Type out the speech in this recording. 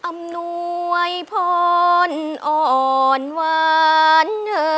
อำนวยพรอ่อนหวาน